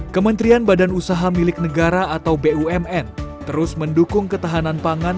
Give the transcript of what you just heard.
kementerian badan usaha milik negara atau bumn terus mendukung ketahanan pangan